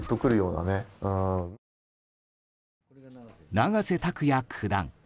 永瀬拓矢九段。